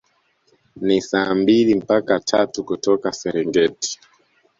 Ni saa mbili mpaka tatu kutoka Serengeti